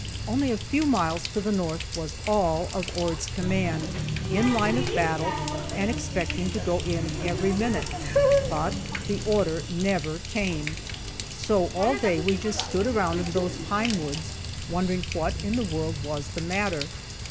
Only a few miles to the north was all of Ord's command, in line of battle, and expecting to go in every minute, but the order never came. So all day we just stood around in those pine woods, wondering what in the world was the matter.